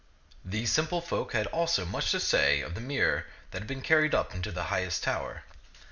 These simple folk had also much to say of the mir ror that had been carried up into the highest tower.